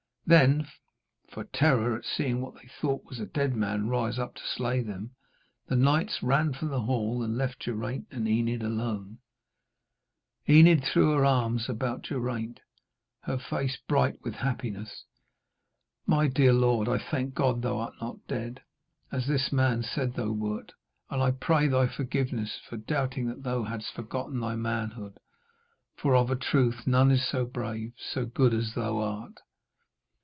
Then, for terror at seeing what they thought was a dead man rise up to slay them, the knights ran from the hall and left Geraint and Enid alone. Enid threw her arms about Geraint, her face bright with happiness. 'My dear lord, I thank God thou art not dead, as this man said thou wert. And I pray thy forgiveness for doubting that thou hadst forgotten thy manhood, for of a truth none is so brave, so good as thou art.'